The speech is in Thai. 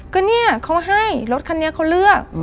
ก็เนี่ยเขาให้รถคันนี้เขาเลือก